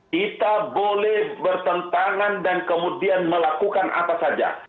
kita boleh bertentangan dan kemudian melakukan apa saja